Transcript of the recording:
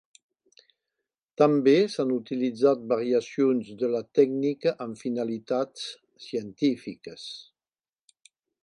També s'han utilitzat variacions de la tècnica amb finalitats científiques.